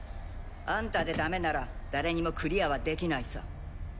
あんたでダメなら誰にもクリアはできないさ。